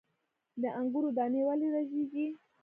د انګورو دانې ولې رژیږي؟